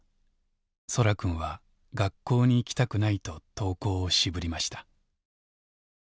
そらくんは学校に行きたくないと登校を渋りました。